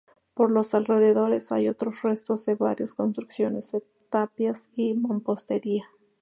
Por los alrededores hay otros restos de varias construcciones de tapias y mampostería.